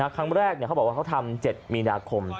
ครั้งแรกเขาบอกว่าเขาทำ๗มีนาคม